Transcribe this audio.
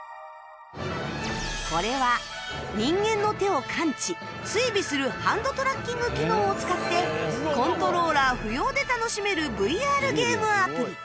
これは人間の手を感知追尾するハンドトラッキング機能を使ってコントローラー不要で楽しめる ＶＲ ゲームアプリ